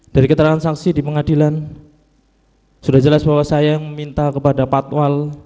dari keterangan saksi di pengadilan sudah jelas bahwa saya yang meminta kepada patwal